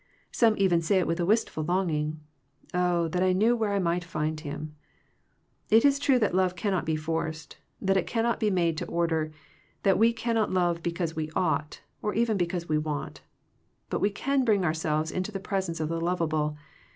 Some even say it with a wistful longing, "Oh, that I knew where I might find Him." It is true that love cannot be forced, that it cannot be made to order, that we cannot love because we ought, or even because we want. But we can bring ourselves into the presence of the lovable.